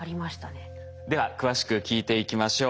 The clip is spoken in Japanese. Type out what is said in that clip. では詳しく聞いていきましょう。